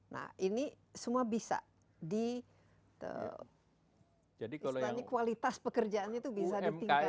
nah ini semua bisa di misalnya kualitas pekerjaan itu bisa di tingkat itu